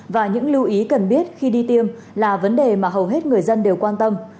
và những lưu ý cần biết khi đi tiêm là vấn đề mà hầu hết người dân đều quan tâm